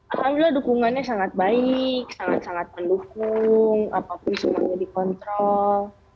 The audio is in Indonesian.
alhamdulillah dukungannya sangat baik sangat sangat mendukung apapun semuanya dikontrol